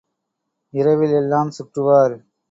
இரவில் எல்லாம் சுற்றுவார்.